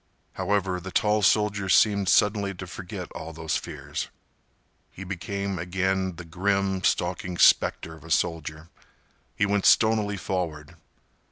However, the tall soldier seemed suddenly to forget all those fears. He became again the grim, stalking specter of a soldier. He went stonily forward.